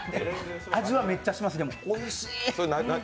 味はめっちゃします、おいしい。